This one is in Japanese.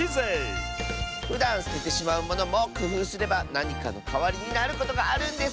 ふだんすててしまうものもくふうすればなにかのかわりになることがあるんです！